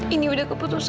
ini udah keputusan mila